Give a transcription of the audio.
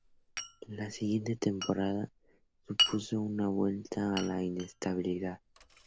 La siguiente temporada, supuso una vuelta a la inestabilidad.